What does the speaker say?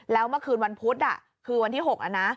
แล้วเมื่อคืนวันพุธคือวันที่๖นะนะ